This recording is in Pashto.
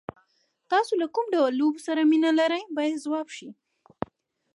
تاسو له کوم ډول لوبو سره مینه لرئ باید ځواب شي.